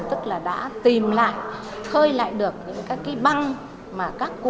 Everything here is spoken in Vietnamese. tức là đã tìm lại khơi lại được những các cái băng mà các cụ